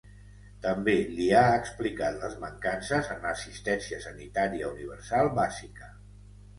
També li ha explicat les mancances en l’assistència sanitària universal bàsica.